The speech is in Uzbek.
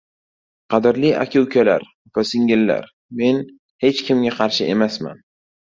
Qadrli aka-ukalar, opa-singillar, men hech kimga qarshi emasman.